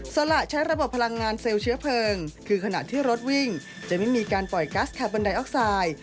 สละใช้ระบบพลังงานเซลล์เชื้อเพลิงคือขณะที่รถวิ่งจะไม่มีการปล่อยกัสคาร์บอนไดออกไซด์